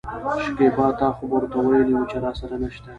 شکيبا : تا خو به ورته وويلي وو چې راسره نشته.